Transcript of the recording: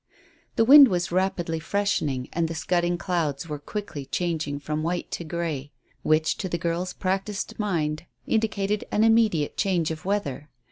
The wind was rapidly freshening, and the scudding clouds were quickly changing from white to grey, which, to the girl's practised mind, indicated an immediate change of weather.